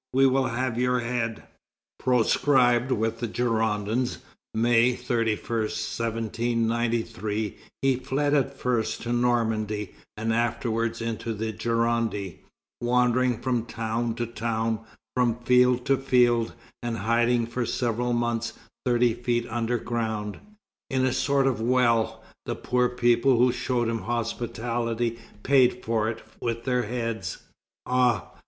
we will have your head!'" Proscribed with the Girondins, May 31, 1793, he fled at first to Normandy, and afterwards into the Gironde, wandering from town to town, from field to field, and hiding for several months thirty feet under ground, in a sort of well; the poor people who showed him hospitality paid for it with their heads. Ah!